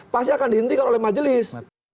pasti akan dihentikan oleh majelis